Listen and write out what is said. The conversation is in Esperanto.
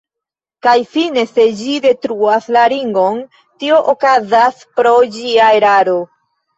Kaj fine se ĝi detruas la Ringon, tio okazas pro ĝia eraro.